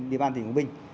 trên địa bàn tỉnh quảng bình